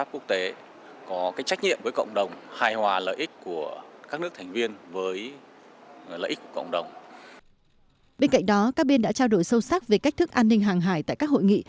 bên cạnh đó các bên đã trao đổi sâu sắc về cách thức an ninh hàng hải tại các hội nghị